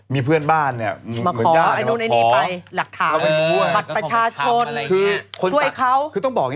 มีเพื่อนบ้านเนี่ยเหมือนก้านมาขอเอานู้นไอนี้ไป